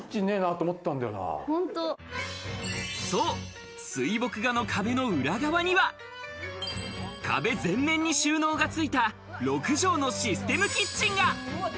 そう、水墨画の壁の裏側には、壁全面に収納がついた６帖のシステムキッチンが！